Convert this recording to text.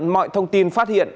mọi thông tin phát hiện